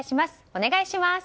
お願いします。